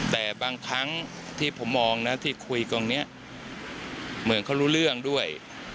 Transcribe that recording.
แต่บางครั้งที่ผมมองนะที่คุยตรงนี้เหมือนเขารู้เรื่องด้วย